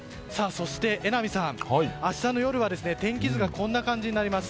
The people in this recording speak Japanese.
榎並さん、明日の夜は天気図がこんな感じになります。